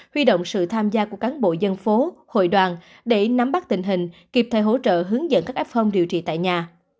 huy động sự tham gia của cán bộ dân phố hội đoàn để nắm bắt tình hình kịp thời hỗ trợ hướng dẫn các f phong điều trị tại nhà